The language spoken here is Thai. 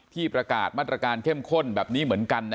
ประกาศมาตรการเข้มข้นแบบนี้เหมือนกัน